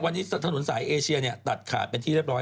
วันนี้ถนนสายเอเชียตัดขาดเป็นที่เรียบร้อย